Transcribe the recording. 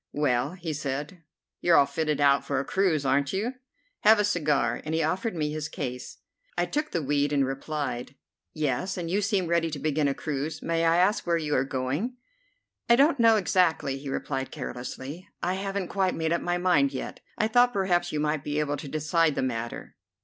"Well," he said, "you're all fitted out for a cruise, aren't you? Have a cigar," and he offered me his case. I took the weed and replied: "Yes, and you seem ready to begin a cruise. May I ask where you are going?" "I don't know exactly," he replied carelessly. "I haven't quite made up my mind yet. I thought perhaps you might be able to decide the matter."